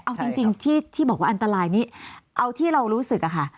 เอาจริงที่บอกว่าอันตรายนี้เอาที่เรารู้สึกอะค่ะ